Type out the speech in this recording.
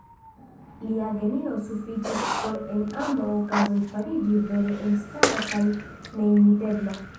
Lia genio sufiĉis por en ambaŭ okazoj fariĝi vere elstara kaj neimitebla.